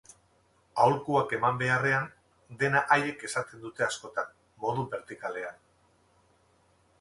Aholkuak eman beharrean, dena haiek esaten dute askotan, modu bertikalean.